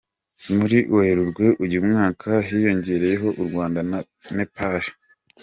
Muri Werurwe uyu mwaka hiyongereyeho u Rwanda na Nepal.